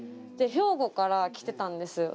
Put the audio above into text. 兵庫から来てたんです。